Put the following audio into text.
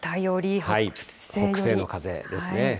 北西の風ですね。